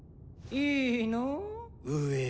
いいのぉ？